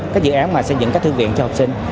các dự án mà xây dựng các thư viện cho học sinh